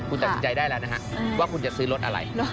คุณตัดสินใจได้แล้วนะฮะว่าคุณจะซื้อรถอะไร